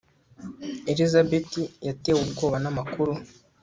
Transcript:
elizabeth yatewe ubwoba n'amakuru